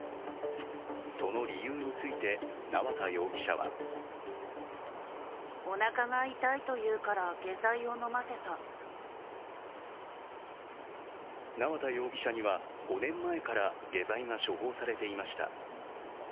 その理由について縄田容疑者は縄田容疑者には５年前から下剤が処方されていました。